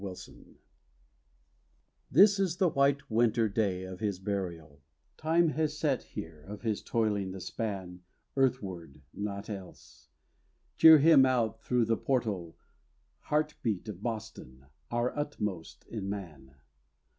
PHILLIPS BROOKS This is the white winter day of his burial. Time has set here of his toiling the span Earthward, naught else. Cheer him out through the portal, Heart beat of Boston, our utmost in man!